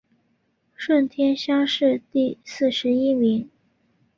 顺天乡试第四十一名。